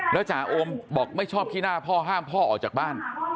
แล้วจ่าโอมบอกไม่ชอบขี้หน้าพ่อห้ามพ่อออกจากบ้าน